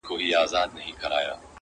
پوهنتون د میني ولوله بس یاره,